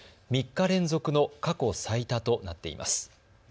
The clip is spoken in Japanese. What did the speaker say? ３日連続の過去最多となっています。